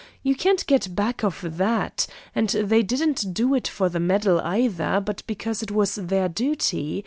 You can't get back of that; and they didn't do it for a medal, either, but because it was their duty.